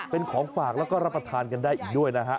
เป็นของฝากแล้วก็รับประทานกันได้อีกด้วยนะฮะ